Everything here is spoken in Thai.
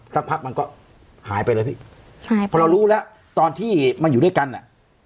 สักพักมันก็หายไปเลยพี่หายไปเพราะเรารู้แล้วตอนที่มันอยู่ด้วยกันอ่ะ